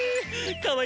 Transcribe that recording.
かわいい！